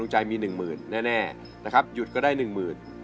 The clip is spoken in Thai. หยุดก็ได้๑๐๐๐๐บาท